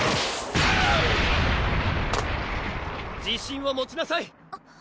自信を持ちなさい